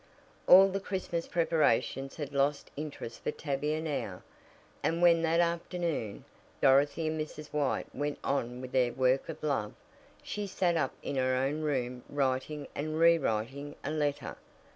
All the Christmas preparations had lost interest for Tavia now, and when, that afternoon, Dorothy and Mrs. White went on with their work of love, she sat up in her own room writing and re writing a letter.